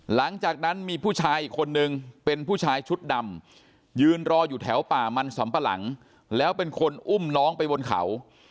หลังจากนั้นมีผู้ชายอีกคนนึงเป็นผู้ชายชุดดำยืนรออยู่แถวป่ามันสำปะหลังแล้วเป็นคนอุ้มน้องไปบนเขา